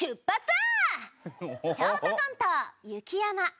ショートコント「雪山」。